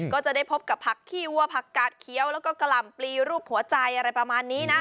ก็จะได้พบกับผักขี้วัวผักกาดเคี้ยวแล้วก็กะหล่ำปลีรูปหัวใจอะไรประมาณนี้นะ